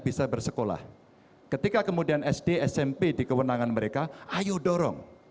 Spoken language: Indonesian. bisa bersekolah ketika kemudian sd smp di kewenangan mereka ayo dorong